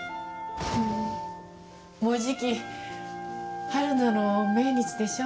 もうじき春菜の命日でしょ。